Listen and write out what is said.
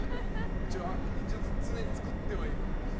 一応常に作ってはいる？